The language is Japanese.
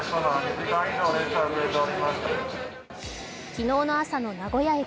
昨日の朝の名古屋駅。